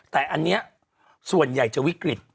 แต่อันนี้ส่วนใหญ่จะวิกฤต